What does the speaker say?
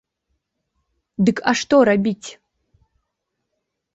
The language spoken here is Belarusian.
Дык а што рабіць?